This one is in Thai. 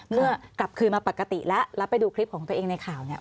เมื่อกลับคืนมาปกติแล้วแล้วไปดูคลิปของตัวเองในข่าวเนี่ย